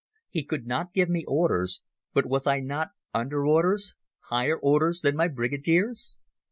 He could not give me orders, but was I not under orders—higher orders than my Brigadier's?